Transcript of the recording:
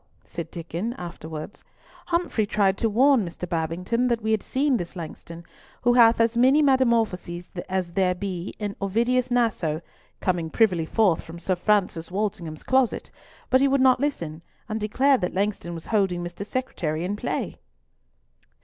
said Diccon afterwards, "Humfrey tried to warn Mr. Babington that we had seen this Langston, who hath as many metamorphoses as there be in Ovidius Naso, coming privily forth from Sir Francis Walsingham's closet, but he would not listen, and declared that Langston was holding Mr. Secretary in play."